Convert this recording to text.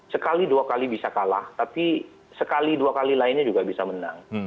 sekali dua kali bisa kalah tapi sekali dua kali lainnya juga bisa menang